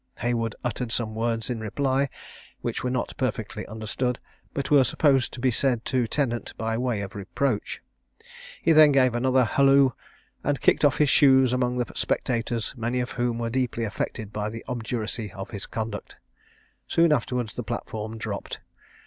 Haywood uttered some words in reply, which were not perfectly understood, but were supposed to be said to Tennant by way of reproach. He then gave another halloo, and kicked off his shoes among the spectators, many of whom were deeply affected at the obduracy of his conduct. Soon afterwards the platform dropped.